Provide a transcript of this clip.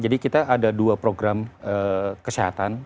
jadi kita ada dua program kesehatan